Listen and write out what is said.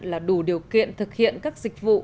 là đủ điều kiện thực hiện các dịch vụ